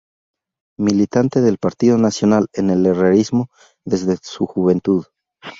Militante del Partido Nacional, en el Herrerismo, desde su juventud.